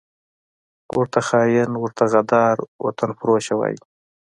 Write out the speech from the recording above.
ورته خاین، ورته غدار، وطنفروشه وايي